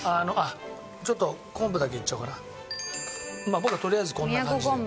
僕はとりあえずこんな感じで。